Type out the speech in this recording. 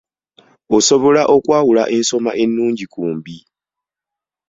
Osobola okwawula ensoma ennungi ku mbi?